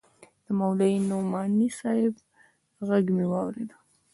د مولوي نعماني صاحب ږغ مې واورېد.